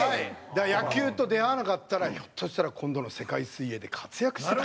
野球と出会わなかったらひょっとしたら今度の世界水泳で活躍してたかもしれん。